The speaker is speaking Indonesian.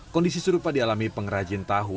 kondisi serupa dialami pengrajin tahu